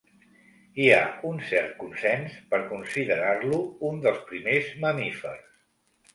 Hi ha un cert consens per considerar-lo un dels primers mamífers.